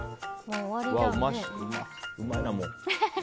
うまいな、もう。